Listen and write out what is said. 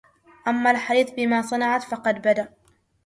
أما الحديث بما صنعت فقد بدا